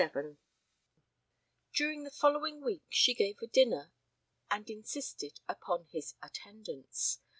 XXXVII During the following week she gave a dinner and insisted upon his attendance.